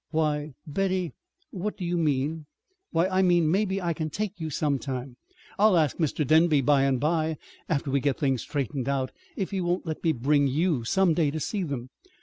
"Why, Betty, what do you mean?" "Why, I mean, maybe I can take you sometime I'll ask Mr. Denby by and by, after we get things straightened out, if he won't let me bring you some day to see them."